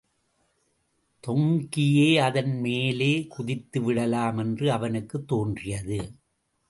தொங்கியே அதன் மேலே குதித்துவிடலாம் என்று அவனுக்குத் தோன்றியது.